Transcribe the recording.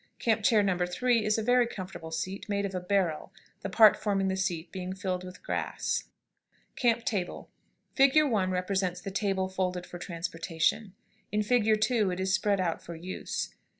CAMP CHAIR NO. 3 is a very comfortable seat, made of a barrel, the part forming the seat being filled with grass. [Illustration: CAMP TABLE.] CAMP TABLE. Fig. 1 represents the table folded for transportation; in Fig. 2 it is spread out for use.